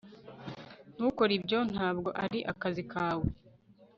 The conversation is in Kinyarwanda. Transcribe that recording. ntukore ibyo. ntabwo ari akazi kawe